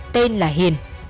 tên là hiền